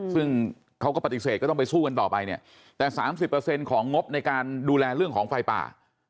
ซึ่งเขาก็ปฏิเสธก็ต้องไปสู้กันต่อไปเนี่ยแต่๓๐ของงบในการดูแลเรื่องของไฟป่า